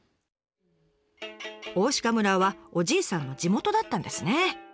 大鹿村はおじいさんの地元だったんですね。